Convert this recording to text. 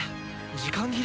時間切れ？